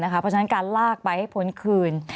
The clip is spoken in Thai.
เพราะฉะนั้นการลากไปให้พ้นคืน